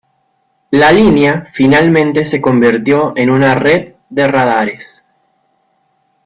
La línea finalmente se convirtió en una red de radares.